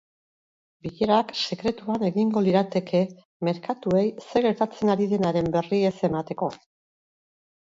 Bilerak sekretuan egingo lirateke merkatuei zer gertatzen ari denaren berri ez emateko.